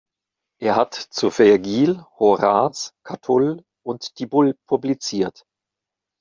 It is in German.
Er hat zu Vergil, Horaz, Catull und Tibull publiziert.